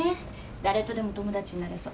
誰とでも友達になれそう。